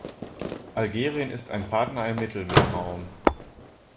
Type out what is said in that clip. Algerien ist ein Partner im Mittelmeerraum.